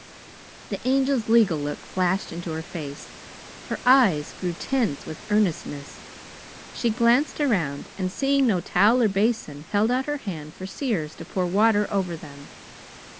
The Angel's legal look flashed into her face. Her eyes grew tense with earnestness. She glanced around, and seeing no towel or basin, held out her hand for Sears to pour water over them.